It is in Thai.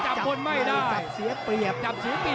กาดเกมสีแดงเดินแบ่งมูธรุด้วย